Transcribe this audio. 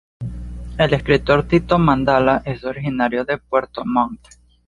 El escritor Tito Matamala es originario de Puerto Montt.